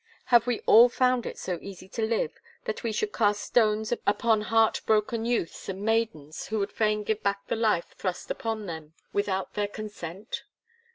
Have we all found it so easy to live that we should cast stones upon heart broken youths and maidens who would fain give back the life thrust upon them without their consent?